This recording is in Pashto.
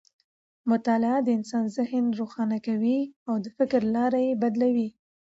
مطالعه د انسان ذهن روښانه کوي او د فکر لاره یې بدلوي.